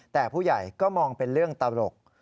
แต่ผู้ใหญ่ก็มองเป็นเรื่องตลก